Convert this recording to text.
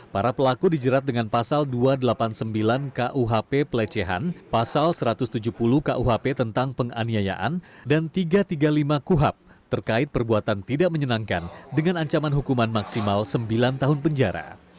para pelaku dijerat dengan pasal dua ratus delapan puluh sembilan kuhp pelecehan pasal satu ratus tujuh puluh kuhp tentang penganiayaan dan tiga ratus tiga puluh lima kuhap terkait perbuatan tidak menyenangkan dengan ancaman hukuman maksimal sembilan tahun penjara